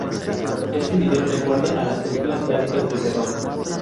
Este video recuerda a las películas clásicas de terror.